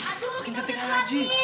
aduh kamu cantik lagi